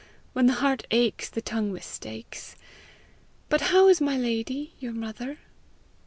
When the heart aches the tongue mistakes. But how is my lady, your mother?"